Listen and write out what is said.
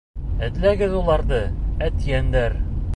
Эҙләгеҙ уларҙы, эт йәндәр!